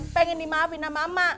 pengen dimahamin sama ibu